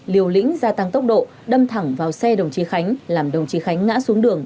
liều lĩnh gia tăng tốc độ đâm thẳng vào xe đồng chí khánh làm đồng chí khánh ngã xuống đường